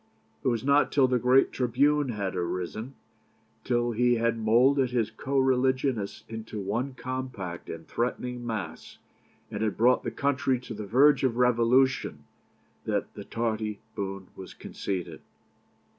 It was not till the great tribune had arisen, till he had moulded his co religionists into one compact and threatening mass, and had brought the country to the verge of revolution, that the tardy boon was conceded.